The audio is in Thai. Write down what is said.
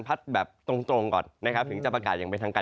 แบบตรงก่อนนะครับถึงจะประกาศอย่างเป็นทางการ